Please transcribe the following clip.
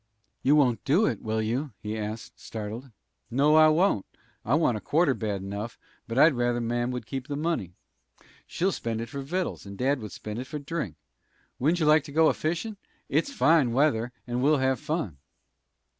"You won't do it, will you?" he asked, startled. "No, I won't. I want a quarter bad enough, but I'd rather mam would keep the money. She'll spend it for vittles, and dad would spend it for drink. Wouldn't you like to go a fishin'? It's fine weather, and we'll have fun."